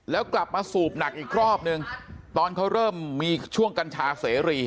แล้วกลับมาสูบหนักอีกรอบนึงตอนเขาเริ่มมีช่วงกัญชาเสรี